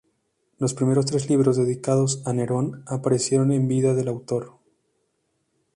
Los primeros tres libros, dedicados a Nerón, aparecieron en vida del autor.